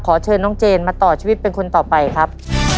เชิญน้องเจนมาต่อชีวิตเป็นคนต่อไปครับ